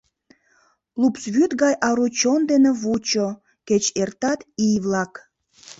Лупс вӱд гай ару чон дене Вучо, кеч эртат ий-влак.